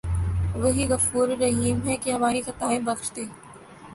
وہی غفورالرحیم ہے کہ ہماری خطائیں بخش دے